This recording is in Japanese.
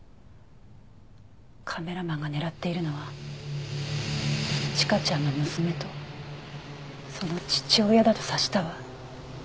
カメラマンが狙っているのは千佳ちゃんの娘とその父親だと察したわ。